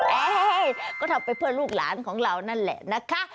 เอ๊ก็ทำไปเพื่อลูกหลานของเรานั่นแหละนะคะ